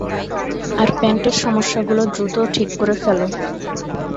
আর প্যান্টের সমস্যাগুলো দ্রুত ঠিক করে ফেলো।